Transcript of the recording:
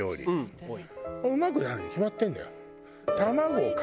うまくなるに決まってるのよ。